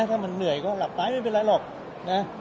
ถ้ามันเหนื่อยก็หลับไปไม่เป็นไรหรอกนะ